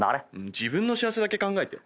自分の幸せだけ考えて。